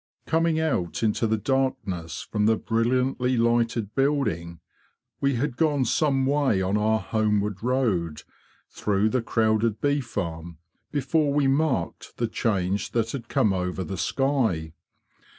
Coming out into the darkness from the brilliantly lighted building, we had gone some way on our homeward road through the crowded bee farm before we marked the change that had come over the sky.